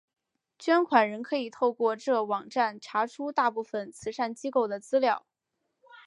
捐款人可以透过这网站查出大部份慈善机构的资料。